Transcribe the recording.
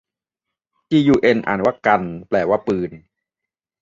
จียูเอ็น อ่านว่ากัน แปลว่าปืน